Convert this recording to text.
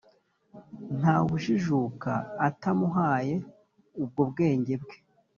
Nta wujijuka atamuhaye ubwo bwenge bwe